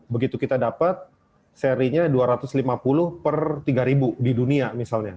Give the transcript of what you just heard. begitu kita dapat serinya dua ratus lima puluh per tiga ribu di dunia misalnya